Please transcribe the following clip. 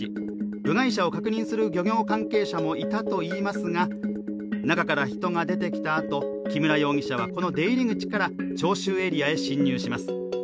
部外者を確認する漁業関係者もいたといいますが中から人が出てきたあと木村容疑者はこの出入り口から聴衆エリアへ侵入します。